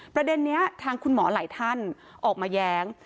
ประเด็นนี้ทางคุณหมอหลายท่านออกมาแย้ง